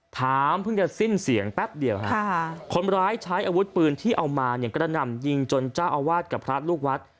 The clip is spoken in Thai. เพิ่งจะสิ้นเสียงแป๊บเดียวคนร้ายใช้อาวุธปืนที่เอามาเนี่ยกระหน่ำยิงจนเจ้าอาวาสกับพระลูกวัด